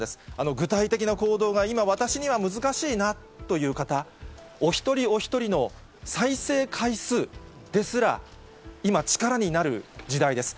具体的な行動が今、私には難しいなという方、お一人お一人の再生回数ですら、今、力になる時代です。